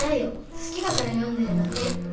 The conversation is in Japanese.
好きだから読んでるだけ。